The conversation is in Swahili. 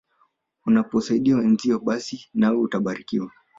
Unaposaidia wenzio basi nawe utabarikiwa.